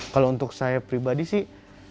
kalau untuk saya pribadi sih